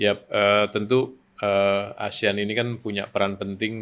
ya tentu asean ini kan punya peran penting